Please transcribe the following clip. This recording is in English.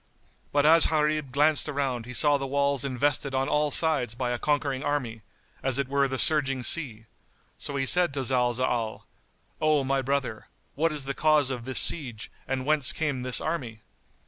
But as Gharib glanced around he saw the walls invested on all sides by a conquering army,[FN#75] as it were the surging sea, so he said to Zalzal, "O my brother, what is the cause of this siege and whence came this army?"